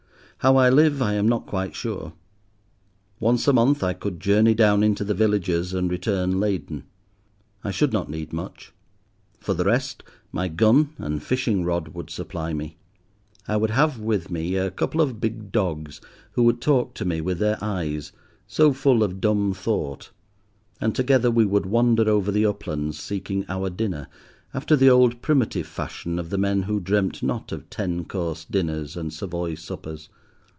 How I live I am not quite sure. Once a month I could journey down into the villages and return laden. I should not need much. For the rest, my gun and fishing rod would supply me. I would have with me a couple of big dogs, who would talk to me with their eyes, so full of dumb thought, and together we would wander over the uplands, seeking our dinner, after the old primitive fashion of the men who dreamt not of ten course dinners and Savoy suppers.